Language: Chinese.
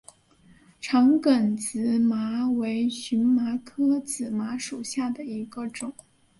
长梗紫麻为荨麻科紫麻属下的一个种。